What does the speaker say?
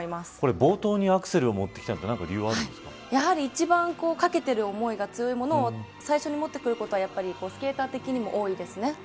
冒頭にアクセルを持って来たのはやはり一番懸けている思いが強いものを最初にもってくることはスケーター的にも多いです。